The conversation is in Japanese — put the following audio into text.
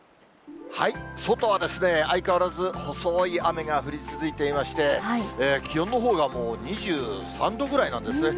外は相変わらず細い雨が降り続いていまして、気温のほうがもう２３度ぐらいなんですね。